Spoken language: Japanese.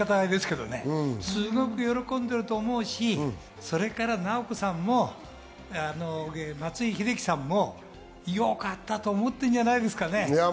すごく喜んでると思うし、それから尚子さんも松井秀喜さんもよかったと思ってるんじゃないですかね。